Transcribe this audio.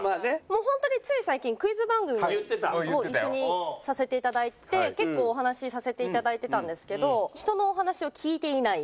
もう本当につい最近クイズ番組を一緒にさせていただいて結構お話させていただいてたんですけど人のお話を聞いていない。